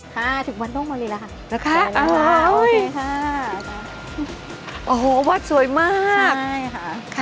ค่ะถึงวันต้องมารีแล้วค่ะนะคะโอเคค่ะโอ้โหวัดสวยมากใช่ค่ะ